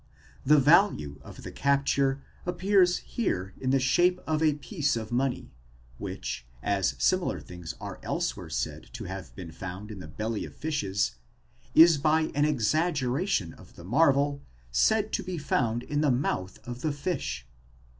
The value of the capture appears here in the shape of a piece of money, which, as similar things are elsewhere said to have been found in the belly of fishes, is by an exaggeration of the marvel said to be found in the mouth of the fish.